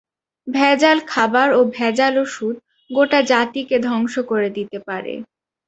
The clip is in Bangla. ভেজাল খাবার ও ভেজাল ওষুধ গোটা জাতিকে ধ্বংস করে দিতে পারে।